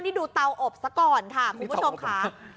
นี่ดูเตาอบซะก่อนค่ะคุณผู้ชมค่ะ